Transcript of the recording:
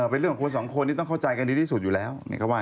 เป็นเรื่องของคนสองคนที่ต้องเข้าใจกันดีที่สุดอยู่แล้ว